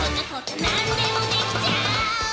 「なんでもできちゃう」